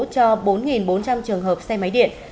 cho bốn bốn trăm linh trường hợp xe máy điện